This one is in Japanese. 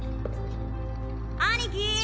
兄貴！